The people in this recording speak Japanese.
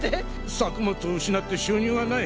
作物を失って収入がない。